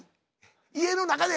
家の中で。